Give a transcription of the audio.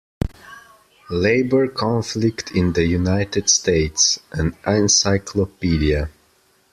"Labor conflict in the United States", An encyclopedia.